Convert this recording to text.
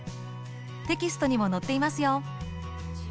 テキストにも載っていますよ。